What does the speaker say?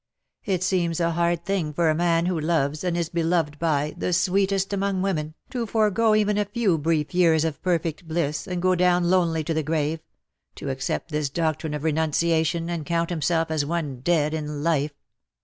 '' It seems a hard thing for a man who loves, and is beloved by, the sweetest among women, to forego even a few brief years of perfect bliss, and go down lonely to the grave — to accept this doctrine of renunciation, and count himself as one dead in life.